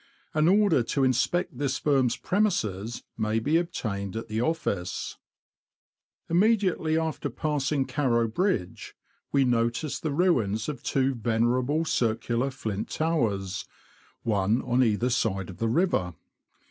An order to inspect this firm's premises may be obtained at the office. Immediately after passing Carrow Bridge, we notice the ruins of two venerable circular flint towers, one on either side of the river.